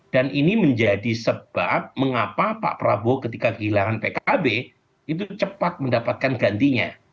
dan ini menjadi sebab mengapa pak prabowo ketika kehilangan pkb itu cepat mendapatkan gantinya